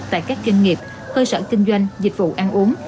tại các kinh nghiệp hơi sở kinh doanh dịch vụ ăn uống